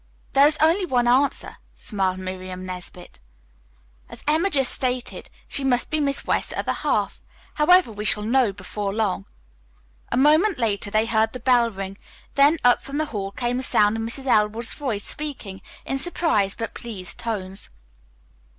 "There is only one answer," smiled Miriam Nesbit. "As Emma just stated, she must be Miss West's other half. However, we shall know before long." A moment later they heard the bell ring, then up from the hall came the sound of Mrs. Elwood's voice speaking in surprised but pleased tones.